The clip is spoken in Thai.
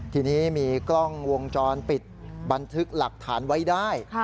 ทีนี้มีกล้องวงจรปิดบันทึกหลักฐานไว้ได้